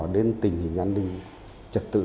đến tình hình an ninh trật tự